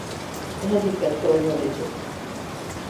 Daha dikkatli olmalıydım.